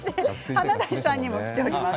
華大さんにもきています。